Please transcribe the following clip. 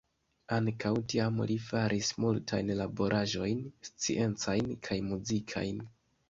Ankaŭ tiam li faris multajn laboraĵojn sciencajn kaj muzikajn.